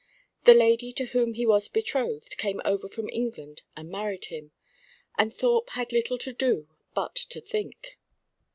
The lady to whom he was betrothed came over from England and married him; and Thorpe had little to do but to think.